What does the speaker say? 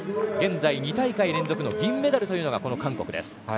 現在２大会連続の銀メダルというのがこの韓国です。